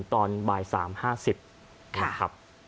ตอนบ่ายสามห้าสิบค่ะครับ